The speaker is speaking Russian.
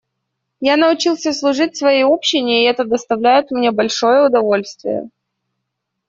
Я научился служить своей общине, и это доставляет мне большое удовольствие.